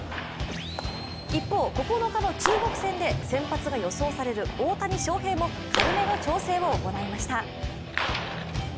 一方、９日の中国戦で先発が予想される大谷翔平も軽めの調整を行いました。